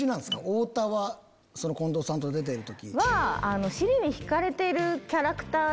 太田は近藤さんと出てる時。